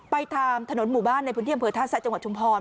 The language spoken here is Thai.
ไปทางถนนหมู่บ้านในพื้นที่อำเภอท่าแซะจังหวัดชุมพร